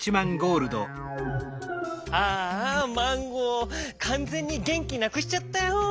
ああマンゴーかんぜんにげんきなくしちゃったよ。